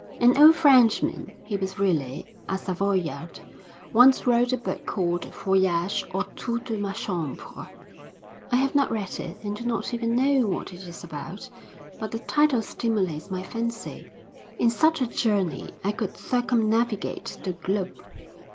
An old Frenchman (he was really a Savoyard) once wrote a book called Voyage autour de ma Chambre. I have not read it and do not even know what it is about, but the title stimulates my fancy. In such a journey I could circumnavigate the globe.